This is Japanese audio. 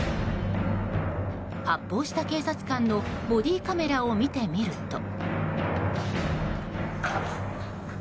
発砲した警察官のボディーカメラを見てみると。